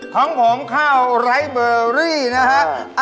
ของผมข้าวไร้เบอรี่นะฮะ